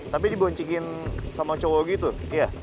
tapi diboncikin sama cowok gitu